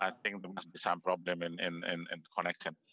atau jika bisnis anda berhubungan dengan kesehatan